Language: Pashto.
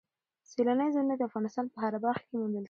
سیلانی ځایونه د افغانستان په هره برخه کې موندل کېږي.